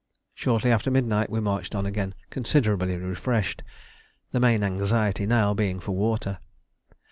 Shortly after midnight we marched on again considerably refreshed, the main anxiety now being for water.